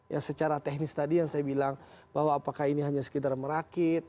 yang secara teknis tadi yang saya bilang bahwa apakah ini hanya sekedar merakit